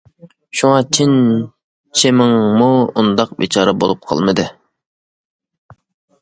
شۇڭا چىن چىمىڭمۇ ئۇنداق بىچارە بول قالمىدى.